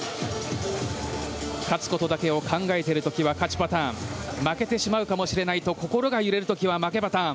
勝つことだけを考えている時は勝ちパターン負けてしまうかもしれないと心が揺れる時は負けパターン。